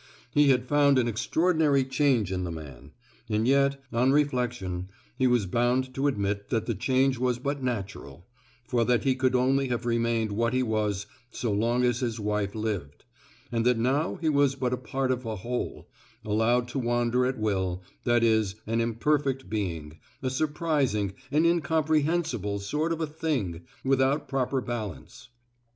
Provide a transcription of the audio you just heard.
He had found an extraordinary change in the man; and yet, on reflection, he was bound to admit that the change was but natural, for that he could only have remained what he was so long as his wife lived; and that now he was but a part of a whole, allowed to wander at will—that is, an imperfect being, a surprising, an incomprehensible sort of a thing, without proper balance.